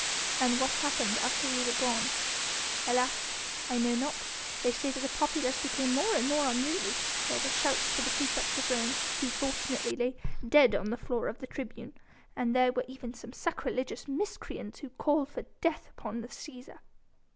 "And what happened after we were gone?" "Alas! I know not. They say that the populace became more and more unruly: there were shouts for the praefect of Rome, who fortunately lay dead on the floor of the tribune, and there were even some sacrilegious miscreants who called for death upon the Cæsar."